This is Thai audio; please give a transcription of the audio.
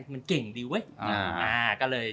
มันเก่งดีเว้ย